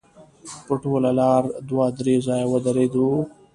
په ټوله لاره دوه درې ځایه ودرېدو.